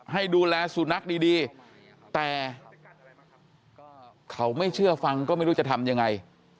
ให้ดูแลสุนัขดีแต่เขาไม่เชื่อฟังก็ไม่รู้จะทำยังไง